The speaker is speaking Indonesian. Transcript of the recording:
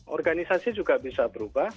organisasi juga bisa berubah